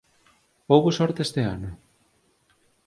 Houbo sorte este ano?